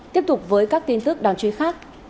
tiếp tục với các tin tức đáng chú ý khác